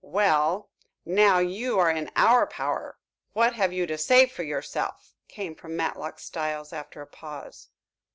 "Well, now you are in our power, what have you to say for yourself?" came from Matlock Styles, after a pause.